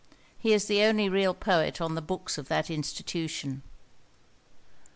He is the only real poet on the books of that institution.